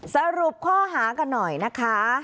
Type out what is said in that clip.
สรุปข้อหากันหน่อยนะคะ